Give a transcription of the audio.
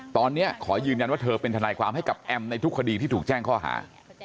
ตอนนี้ขอยืนยันว่าเธอเป็นทนายความให้กับแอมในทุกคดีที่ถูกแจ้งข้อหา